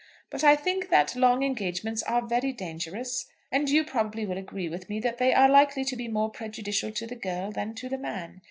"But I think that long engagements are very dangerous; and you probably will agree with me that they are likely to be more prejudicial to the girl than to the man.